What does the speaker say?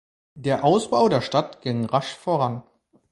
Der Ausbau der Stadt ging rasch voran.